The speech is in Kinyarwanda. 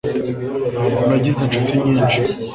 ntabwo nagize inshuti nyinshi